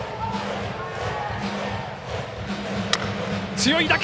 強い打球。